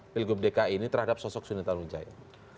pilgub dki ini terhadap sosok suni tarujaya